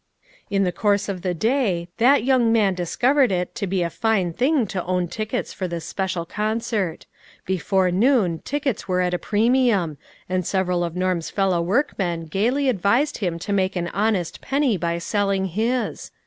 In the course of the day, that young man dis covered it to be a fine thing to own tickets for this special concert. Before noon tickets were at a premium, and several of Norm's fellow workmen gayly advised him to make an honest penny by selling his.